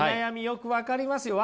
よく分かりますよ。